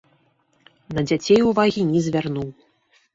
На дзяцей увагі не звярнуў.